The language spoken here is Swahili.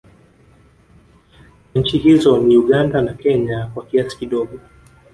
Na Nchi hizo ni Uganda na Kenya kwa kiasi kidogo